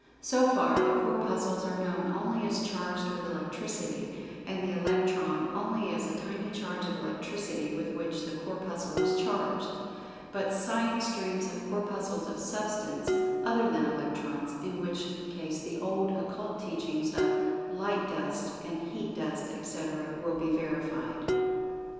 So far the Corpuscles are known only as[Pg 74] charged with Electricity, and the Electron only as a tiny charge of Electricity with which the Corpuscle is charged. But Science dreams of Corpuscles of Substance other than Electrons, in which case the old Occult teachings of "light dust" and "heat dust," etc., will be verified.